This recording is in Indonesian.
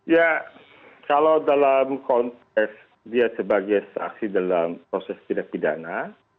ya kalau dalam konteks dia sebagai saksi dalam proses tidak pidana